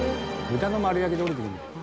豚の丸焼きで下りてくる。